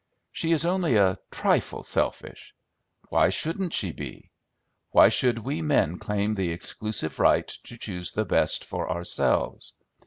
She is only a trifle selfish. Why shouldn't she be? Why should we men claim the exclusive right to choose the best for ourselves?